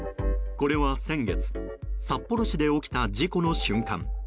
これは先月札幌市で起きた事故の瞬間。